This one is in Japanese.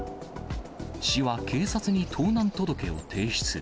市は警察に盗難届を提出。